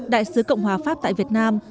đại sứ cộng hòa pháp tại việt nam